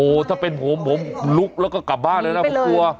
ถ้าเป็นผมผมลุกแล้วก็กลับบ้านเลยนะผมกลัว